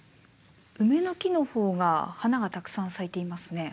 ウメの木の方が花がたくさん咲いていますね。